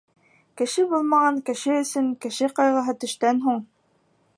Кеше булмаған кеше өсөн кеше ҡайғыһы төштән һуң.